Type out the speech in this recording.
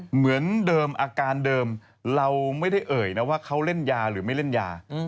เหมือนเดิมอาการเดิมเราไม่ได้เอ่ยนะว่าเขาเล่นยาหรือไม่เล่นยา